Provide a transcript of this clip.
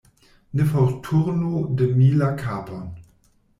Ne forturnu de mi la kapon.